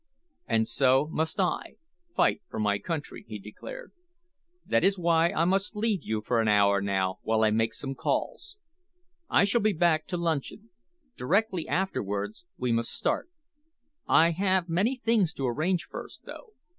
"And so must I fight for my country," he declared. "That is why I must leave you for an hour now while I make some calls. I shall be back to luncheon. Directly afterwards we must start. I have many things to arrange first, though.